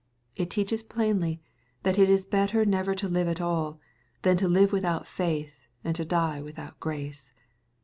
I* teaches plainly, that it is better ilever to live at all, than to live without faith, and to die without grace.